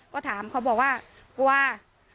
ก็ถามเขาบอกว่ากลัว